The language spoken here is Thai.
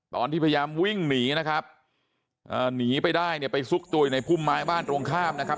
ตอนที่พยายามวิ่งหนีนะครับอ่าหนีไปได้เนี่ยไปซุกตัวอยู่ในพุ่มไม้บ้านตรงข้ามนะครับ